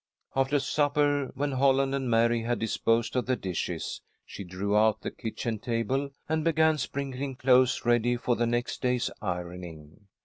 After supper, when Holland and Mary had disposed of the dishes, she drew out the kitchen table, and began sprinkling clothes ready for the next day's ironing.